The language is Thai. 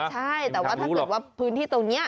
ใช่แต่ว่าถ้าเกิดว่าพื้นที่ตรงนี้